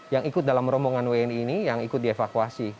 yang ikut dalam rombongan wni ini yang ikut dievakuasi